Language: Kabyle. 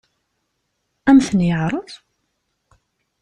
Ad m-ten-yeɛṛeḍ?